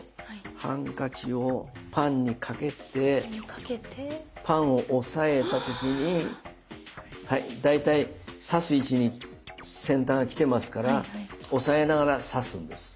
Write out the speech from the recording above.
ハンカチをパンにかけてパンを押さえた時に大体刺す位置に先端がきてますから押さえながら刺すんです。